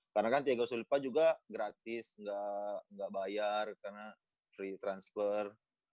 karena kan thiago silva juga gratis gak bayar karena free transfer